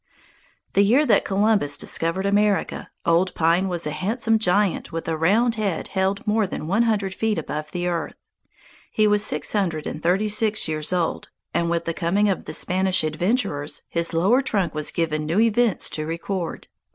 The year that Columbus discovered America, Old Pine was a handsome giant with a round head held more than one hundred feet above the earth. He was six hundred and thirty six years old, and with the coming of the Spanish adventurers his lower trunk was given new events to record.